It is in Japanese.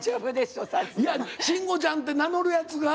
いや慎吾ちゃんって名乗るやつが。